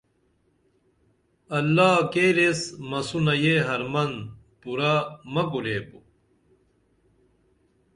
اللہ کیریس مسونہ یہ حرمن پورہ مہ کُریبو